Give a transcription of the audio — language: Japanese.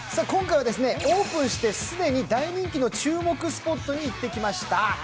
今回はオープンして既に大人気の注目スポットに行ってきました。